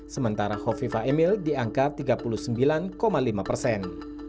sementara khofifah emil diangkat tiga puluh sembilan lima persen